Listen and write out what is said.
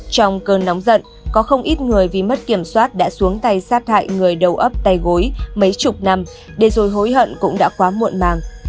trong cơn nóng giận có không ít người vì mất kiểm soát đã xuống tay sát hại người đầu ấp tay gối mấy chục năm để rồi hối hận cũng đã quá muộn màng